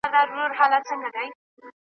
ته یوازی تنها نه یې .